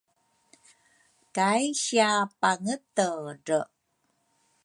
kai sia Pangetedre